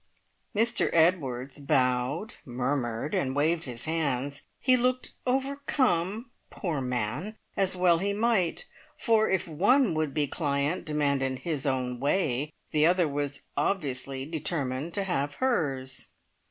Mr Edwards bowed, murmured, and waved his hands. He looked overcome, poor man, as well he might, for if one would be client demanded his own way, the other was obviously determined to have hers.